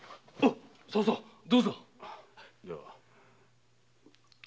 さぁどうぞ。